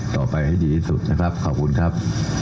ต่อไปให้ดีที่สุดนะครับขอบคุณครับ